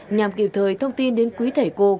nhằm kiểu thời thông tin đến quý thể cô